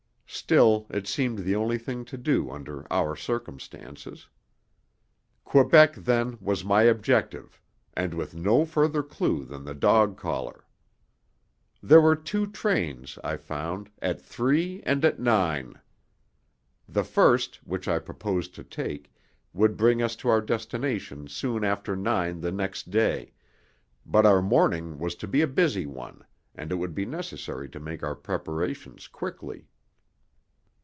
Still it seemed the only thing to do under our circumstances. Quebec, then, was my objective, and with no further clue than the dog collar. There were two trains, I found, at three and at nine. The first, which I proposed to take, would bring us to our destination soon after nine the next day, but our morning was to be a busy one, and it would be necessary to make our preparations quickly.